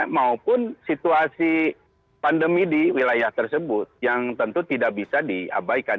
maupun situasi pandemi di wilayah tersebut yang tentu tidak bisa diabaikan